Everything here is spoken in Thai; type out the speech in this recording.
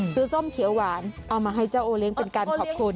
ส้มเขียวหวานเอามาให้เจ้าโอเลี้ยงเป็นการขอบคุณ